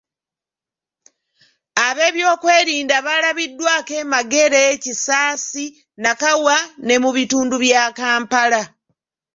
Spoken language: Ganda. Ab'ebyokwerinda balabiddwako e Magere, Kisaasi, Nakawa ne mu bitundu bya Kampala